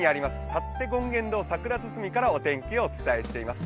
幸手権現堂桜堤からお天気をお伝えしています。